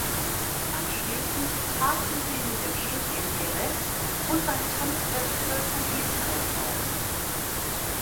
Anschließend traten sie mit dem Stück in Jerez und beim Tanzfestival von Israel auf.